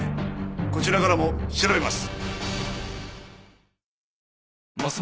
こちらからも調べます！